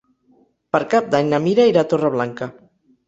Per Cap d'Any na Mira irà a Torreblanca.